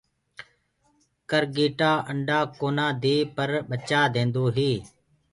ڪَرگيٽآ انڊآ ڪونآ دي پر ڀچآ ديدو هي۔